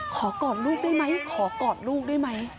กอดลูกได้ไหมขอกอดลูกได้ไหม